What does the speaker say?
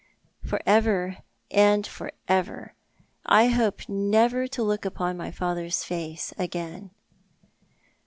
"For ever and for ever. I hope never to look upon my father's face again."